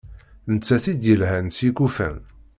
D nettat i d-yelhan s yikufan.